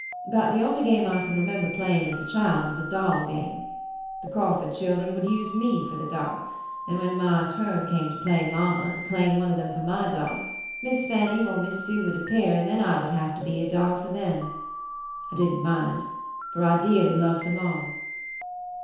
"About the only game I can remember playing as a child was a doll game. The Crawford children would use me for the doll, and then when my turn came to play mamma and claim one of them for my doll, Miss Fanny or Miss Sue would appear and then I would have to be a doll for them. I didn't mind, for I dearly loved them all.